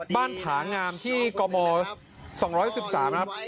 บ้านถางามที่กม๒๑๓นะครับ